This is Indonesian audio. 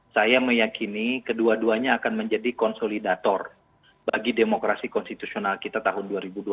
saya meyakini kedua duanya akan menjadi konsolidator bagi demokrasi konstitusional kita tahun dua ribu dua puluh empat